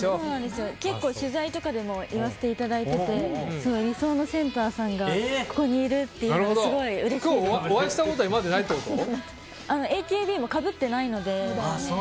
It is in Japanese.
結構取材とかでも言わせていただいてて理想のセンターさんがここにいるっていうのはお会いしたことＡＫＢもかぶっていないので。